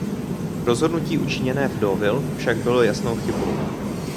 Rozhodnutí učiněné v Deauville však bylo jasnou chybou.